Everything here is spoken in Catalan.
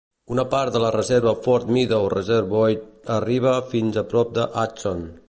Una part de la reserva Fort Meadow Reservoir arriba fins a prop de Hudson.